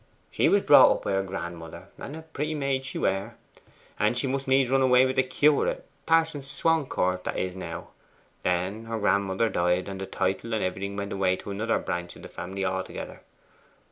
'She was brought up by her grandmother, and a pretty maid she were. And she must needs run away with the curate Parson Swancourt that is now. Then her grandmother died, and the title and everything went away to another branch of the family altogether.